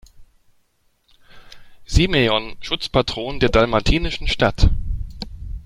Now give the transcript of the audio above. Simeon Schutzpatron der dalmatinischen Stadt.